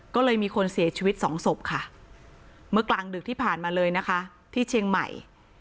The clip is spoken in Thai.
ก็เลยมีคนเสียชีวิตสองศพค่ะเมื่อกลางดึกที่ผ่านมาเลยนะคะที่เชียงใหม่